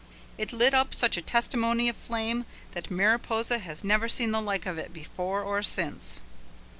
It lit up such a testimony of flame that Mariposa has never seen the like of it before or since.